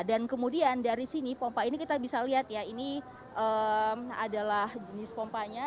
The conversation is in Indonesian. dan kemudian dari sini pompa ini kita bisa lihat ya ini adalah jenis pompanya